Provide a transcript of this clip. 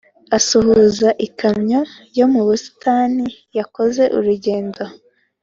" asuhuza ikamyo yo mu busitani yakoze urugendo,